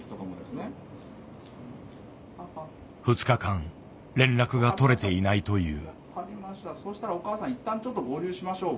２日間連絡が取れていないという。